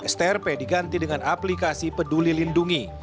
strp diganti dengan aplikasi peduli lindungi